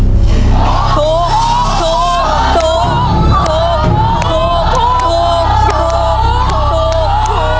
ถูกถูกถูก